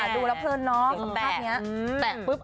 ดูรับเพลินเนาะสักครอบเนี้ย